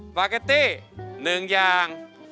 ปาเกตตี้๑อย่าง